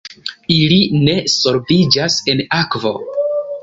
Ili ne solviĝas en akvo.